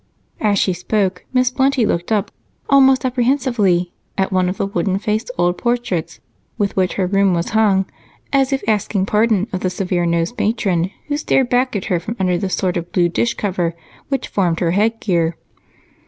As she spoke, Miss Plenty looked up, almost apprehensively, at one of the wooden faced old portraits with which her room was hung, as if asking pardon of the severe nosed matron who stared back at her from under the sort of blue dish cover which formed her headgear.